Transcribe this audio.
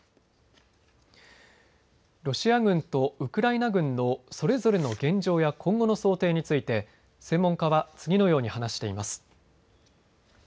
ロシア軍とウクライナ軍のそれぞれの現状や今後の想定について専門家は次のように話しています。